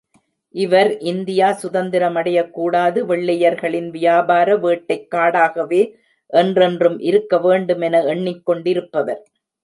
இவர் இந்தியா சுதந்திரமடையக் கூடாது வெள்ளையர்களின் வியாபார வேட்டைக் காடாகவே என்றென்றும் இருக்க வேண்டுமென எண்ணிக் கொண்டிருப்பவர்.